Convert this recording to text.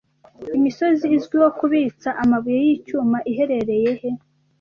Imisozi izwiho kubitsa amabuye y'icyuma iherereye he